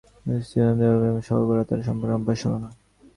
মুকুন্দলালের স্ত্রী নন্দরানী অভিমানিনী, সহ্য করাটা তাঁর সম্পূর্ণ অভ্যাস হল না।